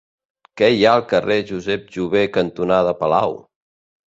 Què hi ha al carrer Josep Jover cantonada Palau?